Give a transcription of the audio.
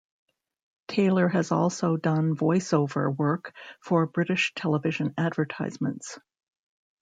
Taylor has also done voiceover work for British television advertisements.